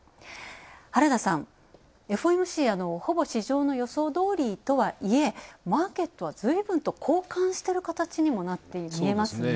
原田さん、ＦＯＭＣ、ほぼ市場の予想どおりとはいえマーケットはずいぶんと好感してる形にもなって見えますね。